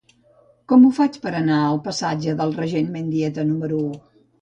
Com ho faig per anar al passatge del Regent Mendieta número nou?